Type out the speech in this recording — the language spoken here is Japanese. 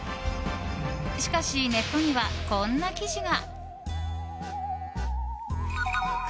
しかし、ネットにはこんな記事が。